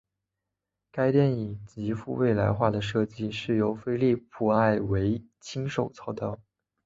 该电影极富未来化的设计是由菲利普埃维亲手操刀。